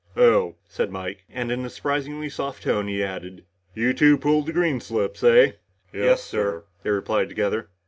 "Oh?" said Mike. And in a surprisingly soft tone he added, "You two pulled green slips, eh?" "Yes, sir," they replied together.